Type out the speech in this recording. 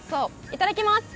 いただきます！